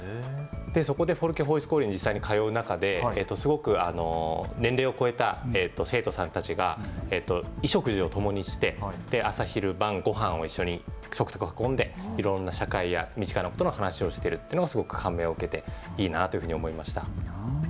そこでフォルケホイスコーレに実際に通う中で、すごく年齢を超えた生徒さんたちが衣食住をともにして朝昼晩、ごはんを一緒に食卓を囲んでいろんな社会や身近なことの話をしてるというのがすごく感銘を受けていいなというふうに思いました。